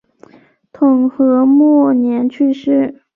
统和末年去世。